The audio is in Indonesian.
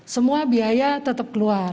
semua biaya tetap keluar